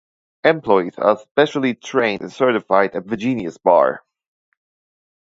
Employees are specially trained and certified at the Genius Bar.